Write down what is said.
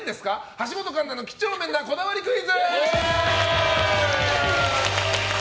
橋本環奈の几帳面なこだわりクイズ！